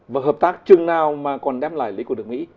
và hợp tác chừng nào mà còn đem lại lý của nước mỹ